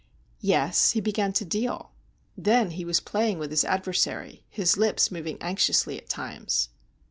Yes, he began to deal; then he was playing with his adversary—his lips moving anxiously at times.